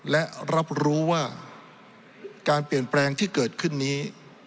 และรับรู้ว่าการเปลี่ยนแปลงที่เกิดขึ้นนี้